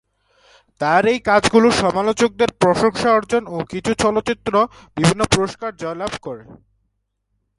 তার এই কাজগুলো সমালোচকদের প্রশংসা অর্জন এবং কিছু চলচ্চিত্র বিভিন্ন পুরস্কার জয়লাভ করে।